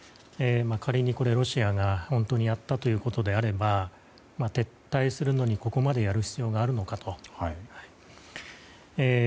仮にロシアが本当にやったということであれば撤退するのにここまでやる必要があるのかと。